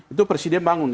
itu presiden bangun